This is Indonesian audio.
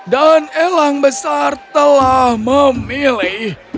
dan elang besar telah memilih